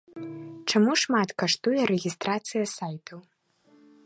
Чаму шмат каштуе рэгістрацыя сайтаў.